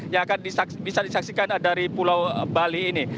yang akan bisa disaksikan dari pulau bali ini